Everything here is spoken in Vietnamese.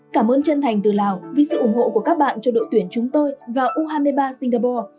cảm ơn chân thành từ lào vì sự ủng hộ của các bạn cho đội tuyển chúng tôi và u hai mươi ba singapore